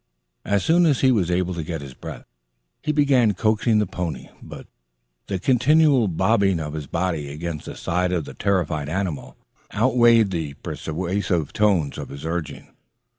As soon as he was able to get his breath, he began coaxing the pony, but the continual bobbing of his body against the side of the terrified animal outweighed the persuasive tones of his urging.